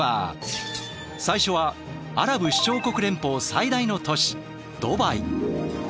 最初はアラブ首長国連邦最大の都市ドバイ。